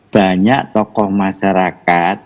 banyak tokoh masyarakat